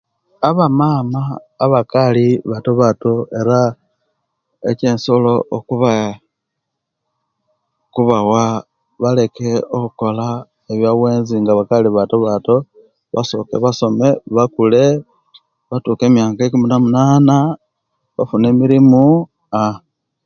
Abamama abakali batobato era ekyensobola okubawa baleka okoola ebyobwenzi nga bakaali batobato basoka basoma bakule batuuka mumyaka ekumi nomunana bafuune mirimo aa.